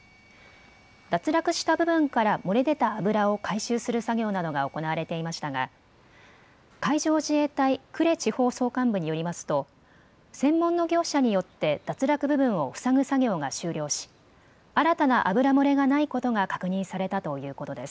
脱落した部分から漏れ出た油を回収する作業などが行われていましたが海上自衛隊呉地方総監部によりますと専門の業者によって脱落部分を塞ぐ作業が終了し新たな油漏れがないことが確認されたということです。